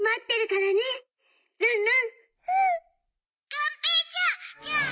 「がんぺーちゃんじゃあ」。